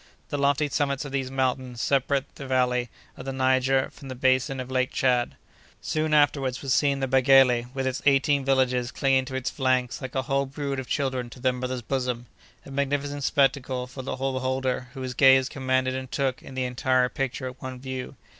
The lofty summits of these mountains separate the valley of the Niger from the basin of Lake Tchad. Soon afterward was seen the Bagélé, with its eighteen villages clinging to its flanks like a whole brood of children to their mother's bosom—a magnificent spectacle for the beholder whose gaze commanded and took in the entire picture at one view.